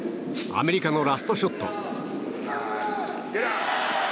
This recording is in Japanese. アメリカのラストショット。